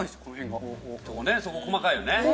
そこねそこ細かいよね。